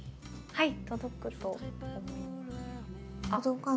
はい。